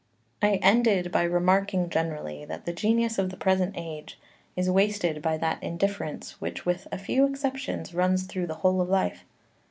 11 I ended by remarking generally that the genius of the present age is wasted by that indifference which with a few exceptions runs through the whole of life.